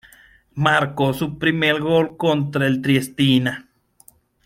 Marcó su primer gol contra el Triestina.